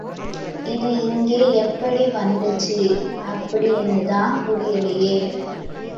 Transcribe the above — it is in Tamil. இது இங்கே எப்படி வந்துச்சு அப்படின்னுதான் புரியலே...!